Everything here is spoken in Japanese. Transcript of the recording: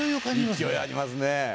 勢いありますね。